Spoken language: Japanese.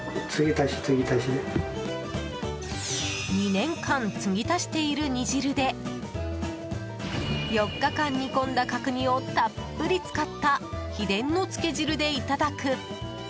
２年間継ぎ足している煮汁で４日間煮込んだ角煮をたっぷり使った秘伝のつけ汁でいただく。